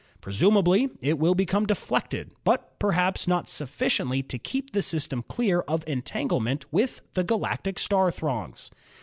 Presumably it will become deflected, but perhaps not sufficiently to keep the system clear of entanglement with the galactic star throngs.